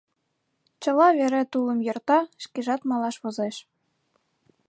Чыла вере тулым йӧрта, шкежат малаш возеш...